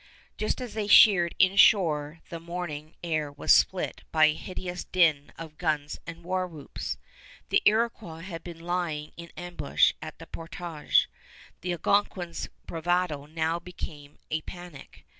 Just as they sheered inshore the morning air was split by a hideous din of guns and war whoops. The Iroquois had been lying in ambush at the portage. The Algonquins' bravado now became a panic.